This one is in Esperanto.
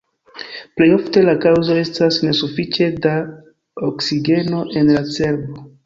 Plej ofte la kaŭzo estas ne sufiĉe da oksigeno en la cerbo.